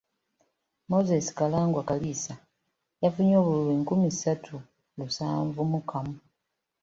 Moses Karangwa Kalisa yafunye obululu enkumi ssatu lusanvu mu kamu.